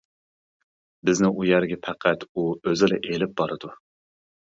بىزنى ئۇ يەرگە پەقەت ئۇ ئۆزىلا ئېلىپ بارىدۇ.